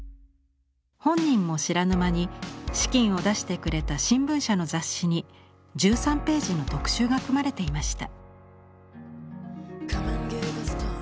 本人も知らぬ間に資金を出してくれた新聞社の雑誌に１３ページの特集が組まれていました。